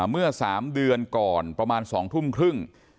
เมื่อ๓เดือนก่อนประมาณ๒ทุ่มครึ่ง